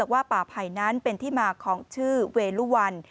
ว่าป่าไผ่นั้นเป็นที่มาของชื่อเวลุวัน